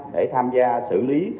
để tham gia xử lý